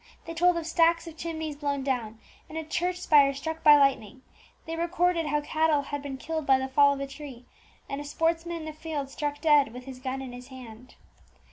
They told of stacks of chimneys blown down, and a church spire struck by lightning; they recorded how cattle had been killed by the fall of a tree, and a sportsman in the field struck dead with his gun in his hand.